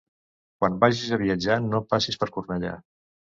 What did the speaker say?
Quan vagis a viatjar, no passis per Cornellà.